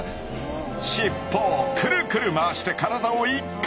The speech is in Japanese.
尻尾をくるくる回して体を一回転！